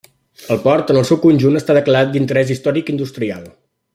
El port en el seu conjunt està declarat d'interès històric-industrial.